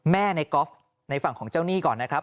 ในกอล์ฟในฝั่งของเจ้าหนี้ก่อนนะครับ